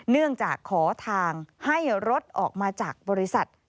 เนื่องจากขอทางให้รถออกมาจากบริษัท